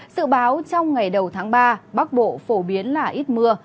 sự báo trong ngày đầu tháng ba bắc bộ phổ biến là ít mưa